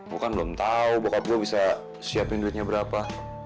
lo kan belum tau bokap gue bisa siapin duitnya berapa